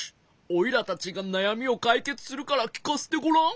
おいらたちがなやみをかいけつするからきかせてごらん。